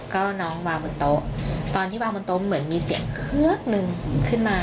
ก็น้องวางบนโต๊ะตอนที่วางบนโต๊ะเหมือนมีเสียงเฮือกนึงขึ้นมา